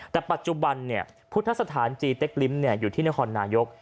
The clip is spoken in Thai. แต่ปัจจุบันพุทธสถานจีเต็กลิ้มอยู่ที่นครนายก